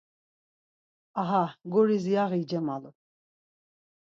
Aha, guris yaği cemalu.